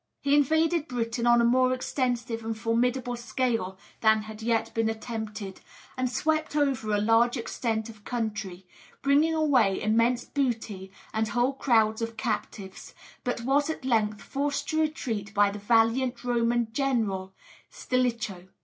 He invaded Britain on a more extensive and formidable scale than had yet been attempted, and swept over a large extent of country, bringing away immense booty and whole crowds of captives, but was at length forced to retreat by the valiant Roman general Stilicho.